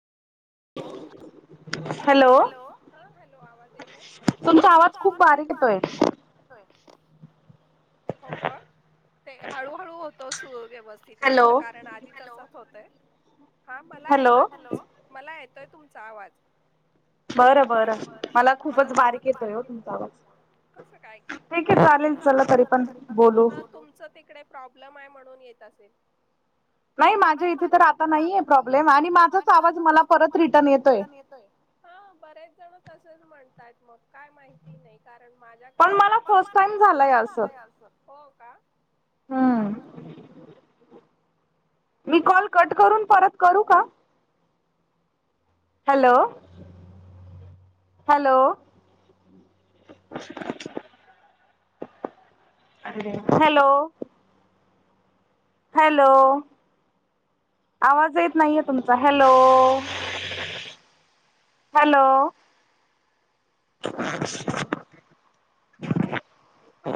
हो. येतोय आवाज? हॅलो हा हॅलो आवाज येतोय? तुमचा आवाज खूप बारीक. येतोय. हो का? ते हळूहळू होतो सुव्यवस्थित वाटतं. कारण आधी तसचं होतय. हा मला येतोय तुमचा, मला येतोय तुमचा आवाज. बर बर मला खूपच बारीक येतोय ओ तुमचा आवाज कसं काय कि, चालेल च तुमचा तिकडे प्रॉब्लेम आहे म्हणून येत असेल. नाही माझ्या इथे तर आता नाही आहे प्रॉब्लेम आणि माझाच आवाज मला परत रिटर्न येतोय. हा बरेच जण तसच म्हणतायेत मग काय माहिती. नाही कारण माझ्याकडे वायफाय टाईम झालाय असं हो का. हम्म. मी कॉल कट करून परत करू का? Hello hello. हॅलो हॅलो आवाज येत नाहीये तुमचा? Hello hello